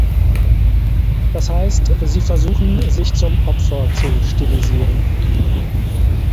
Das heißt, sie versuchen, sich zum Opfer zu stilisieren.